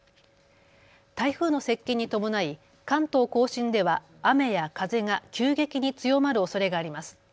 台風の接近に伴い関東甲信では雨や風が急激に強まるおそれがあります。